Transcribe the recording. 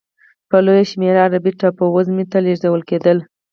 په لویه شمېر عربي ټاپو وزمې ته لېږدول کېدل.